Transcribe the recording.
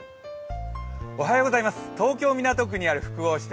東京・港区にある複合施設